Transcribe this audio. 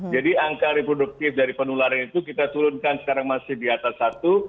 jadi angka reproduktif dari penularan itu kita turunkan sekarang masih di atas satu